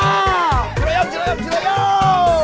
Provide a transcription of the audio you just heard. jurayam jurayam jurayam